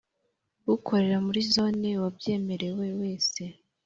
Ukorera muri Zone wabyemerewe wese